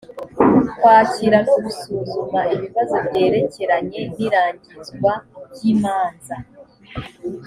kwakira no gusuzuma ibibazo byerekeranye n irangizwa ry imanza